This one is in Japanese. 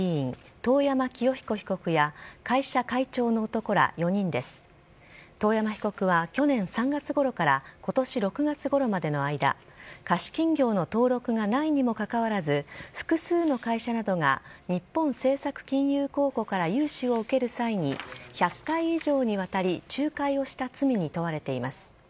遠山被告は去年３月ごろからことし６月ごろまでの間、貸金業の登録がないにもかかわらず、複数の会社などが日本政策金融公庫から融資を受ける際に、１００回以上にわたり仲介をした罪に問われています。